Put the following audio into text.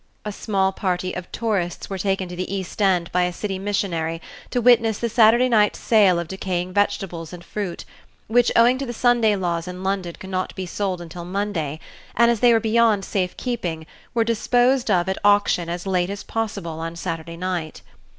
A small party of tourists were taken to the East End by a city missionary to witness the Saturday night sale of decaying vegetables and fruit, which, owing to the Sunday laws in London, could not be sold until Monday, and, as they were beyond safe keeping, were disposed of at auction as late as possible on Saturday night.